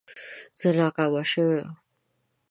زه ناکامه شوم